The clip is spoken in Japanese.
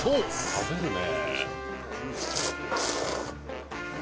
食べるね。